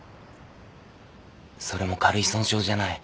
それも軽い損傷じゃない。